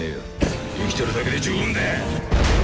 生きてるだけで十分だ！